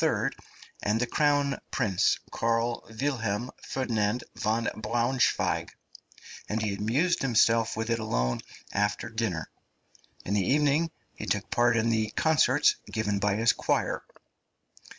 and the Crown Prince Karl Wilhelm Ferdinand von Braunschweig, and he amused himself with it alone after dinner; in the evening he took part in the concerts given by his choir.